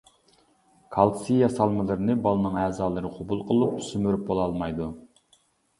كالتىسى ياسالمىلىرىنى بالىنىڭ ئەزالىرى قوبۇل قىلىپ سۈمۈرۈپ بولالمايدۇ.